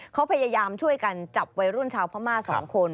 เขาพยายามช่วยกันจับวัยรุ่นชาวพม่า๒คน